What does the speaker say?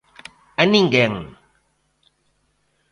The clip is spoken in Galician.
¡A ninguén!